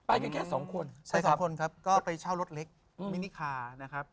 แจ๊คจิลวันนี้เขาสองคนไม่ได้มามูเรื่องกุมาทองอย่างเดียวแต่ว่าจะมาเล่าเรื่องประสบการณ์นะครับ